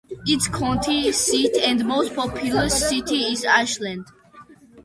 Its county seat and most populous city is Ashland.